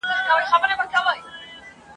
په دنیا کي مو وه هر څه اورېدلي ..